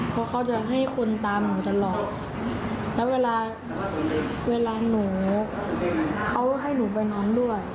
เพราะเขาจะให้คนตามหนูตลอดแล้วเวลาเวลาหนูเขาให้หนูไปนอนด้วย